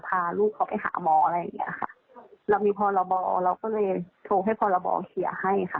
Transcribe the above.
พาลูกเขาไปหาหมออะไรอย่างเงี้ยค่ะเรามีพรบเราก็เลยโทรให้พรบเคลียร์ให้ค่ะ